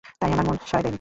তাই আমার মন সায় দেয়নি।